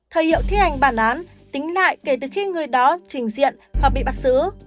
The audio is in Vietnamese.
thời hiệu thi hành bản án tính lại kể từ khi người đó trình diện hoặc bị bắt xử